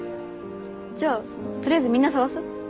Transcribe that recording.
じゃあ取りあえずみんな捜す？